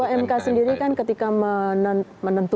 ketua mk sendiri kan ketika menentukan akan membentuk